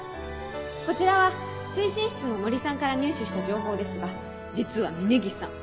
こちらは推進室の森さんから入手した情報ですが実は峰岸さん